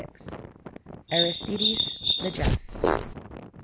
XLVI. ARISTIDES THE JUST.